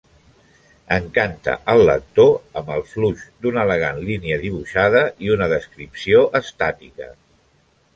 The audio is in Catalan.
Encanta al lector amb el flux d'una elegant línia dibuixada i una descripció estàtica.